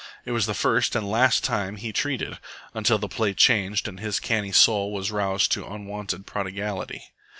It was the first and last time he treated, until the play changed and his canny soul was roused to unwonted prodigality.